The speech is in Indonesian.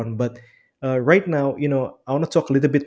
sekarang saya ingin berbicara sedikit